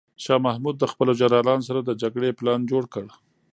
شاه محمود د خپلو جنرالانو سره د جګړې پلان جوړ کړ.